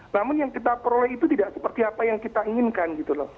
namun yang kita peroleh itu tidak seperti apa yang kita inginkan gitu loh